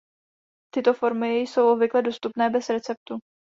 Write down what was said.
Tyto formy jsou obvykle dostupné bez receptu.